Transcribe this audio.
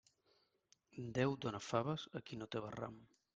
Déu dóna faves a qui no té barram.